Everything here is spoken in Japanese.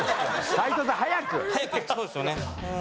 斎藤さん早く！早くそうですよね。